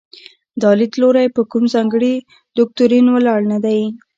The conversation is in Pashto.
دا لیدلوری په کوم ځانګړي دوکتورین ولاړ نه دی.